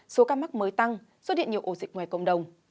số ca mắc mới tăng xuất hiện nhiều ổ dịch ngoài cộng đồng